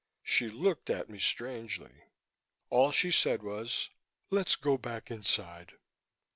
She looked at me strangely. All she said was, "Let's go back inside."